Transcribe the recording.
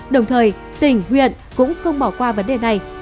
đồng thời tỉnh huyện cũng không bỏ qua vấn đề này